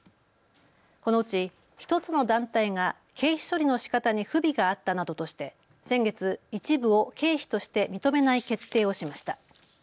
このうち１つの団体が経費処理のしかたに不備があったなどとして先月、一部を経費として認めない決定をしました。